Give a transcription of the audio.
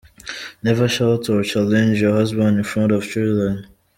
Never shout or challenge your husband in front of children.